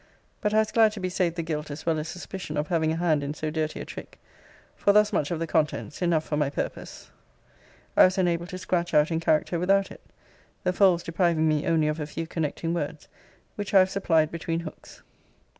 But I was glad to be saved the guilt as well as suspicion of having a hand in so dirty a trick; for thus much of the contents (enough for my purpose) I was enabled to scratch out in character without it; the folds depriving me only of a few connecting words, which I have supplied between hooks.